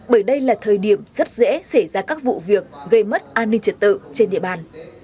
bởi đây là thời điểm rất dễ xảy ra các vụ việc gây mất an ninh trật tự trên địa bàn